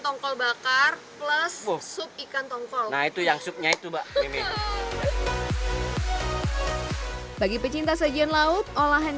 tongkol bakar plus sup ikan tongkol nah itu yang supnya itu mbak ini bagi pecinta sajian laut olahan